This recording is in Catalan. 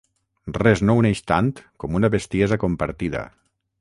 Res no uneix tant com una bestiesa compartida.